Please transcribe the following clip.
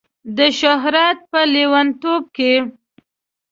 د شهرت په لیونتوب کې